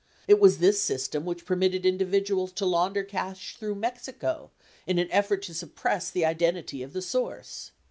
It was this system which permitted individuals to launder cash through Mexico in an effort to suppress the identity of the source.